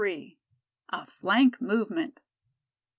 A FLANK MOVEMENT.